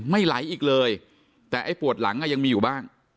ไม่ไหลอีกเลยแต่ไอ้ปวดหลังยังมีอยู่บ้าง